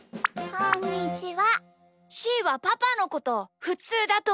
こんにちは。